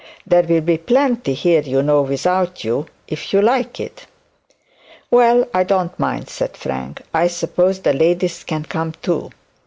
'There'll be plenty here without you, if you like it.' 'Well, I don't mind,' said Frank; 'I suppose the ladies can come too.'